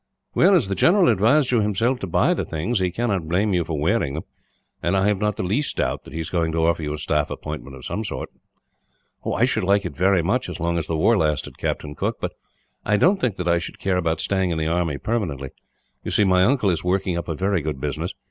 "Well, as the general advised you himself to buy the things, he cannot blame you for wearing them; and I have not the least doubt that he is going to offer you a staff appointment of some sort." "I should like it very much, as long as the war lasted, Captain Cooke; but I don't think that I should care about staying in the army, permanently. You see, my uncle is working up a very good business.